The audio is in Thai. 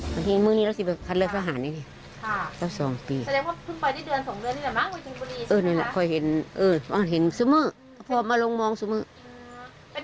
พวกเขาก็เห็นแล้วก็กรับออกไปพวกเขาก็มีลงมองอยู่คัน